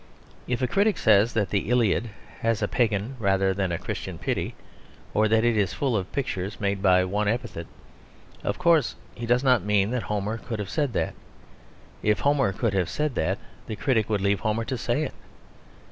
If a critic says that the Iliad has a pagan rather than a Christian pity, or that it is full of pictures made by one epithet, of course he does not mean that Homer could have said that. If Homer could have said that the critic would leave Homer to say it.